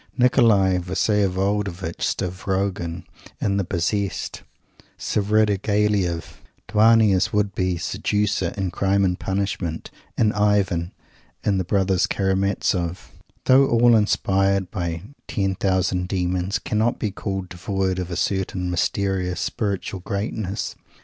Nikolay Vsyevolodovitch Stavrogin, in "the Possessed;" Svridigilaiof Dounia's would be seducer, in "Crime and Punishment," and Ivan, in "the Brothers Karamazov," though all inspired by ten thousand demons, cannot be called devoid of a certain mysterious spiritual greatness.